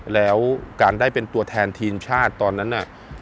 แล้วการได้เป็นตัวแทนทีมชาติตอนนั้นน่ะ